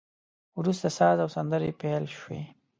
وروسته ساز او سندري پیل شوې.